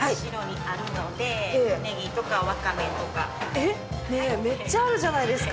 えっメッチャあるじゃないですか！